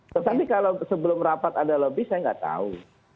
tetapi kalau sebelum rapat ada lobby saya nggak tahu